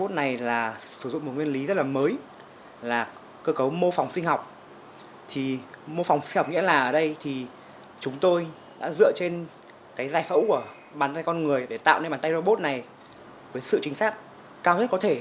thì mô phòng xe học nghĩa là ở đây thì chúng tôi đã dựa trên cái dài phẫu của bàn tay con người để tạo nên bàn tay robot này với sự trinh sát cao nhất có thể